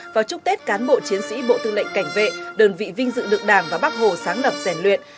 vào chúc tết cán bộ chiến sĩ bộ tư lệnh cảnh vệ đơn vị vinh dự được đảng và bác hồ sáng lập rèn luyện